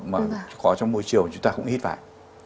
mà có trong môi trường chúng ta cũng hít phải